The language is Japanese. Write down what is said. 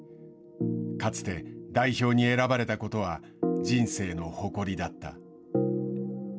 かつて、代表に選ばれたことは人生の誇りだった。